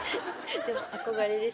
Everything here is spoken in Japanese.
でも憧れです。